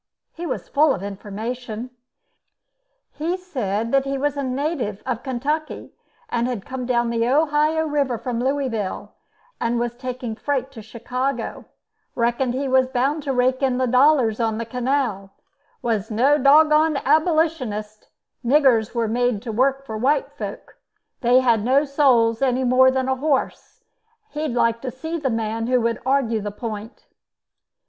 He was full of information. He said he was a native of Kentucky; had come down the Ohio river from Louisville; was taking freight to Chicago; reckoned he was bound to rake in the dollars on the canal; was no dog gonned Abolitionist; niggers were made to work for white folks; they had no souls any more than a horse; he'd like to see the man who would argue the point.